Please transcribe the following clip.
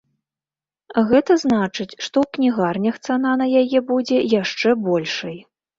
Гэта значыць, што ў кнігарнях цана на яе будзе яшчэ большай.